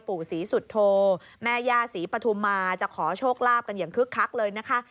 ปู่ศรีสุโธแม่ย่าศรีปฐุมมาจะขอโชคลาภกันอย่างคึกคักเลยนะคะ